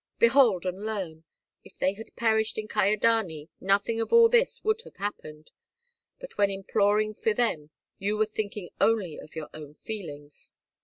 Behold and learn! If they had perished in Kyedani, nothing of all this would have happened; but when imploring for them you were thinking only of your own feelings.